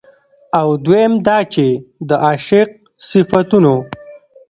او دويم دا چې د عاشق د صفتونو